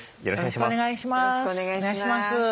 よろしくお願いします。